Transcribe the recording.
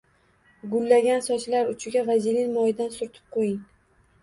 Gullagan sochlar uchiga vazelin moyidan surtib qo’ying